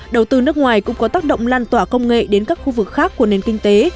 đầu tư nước ngoài cũng có tác động lan tỏa công nghệ đến các khu vực khác của nền kinh tế